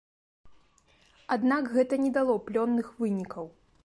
Аднак гэта не дало плённых вынікаў.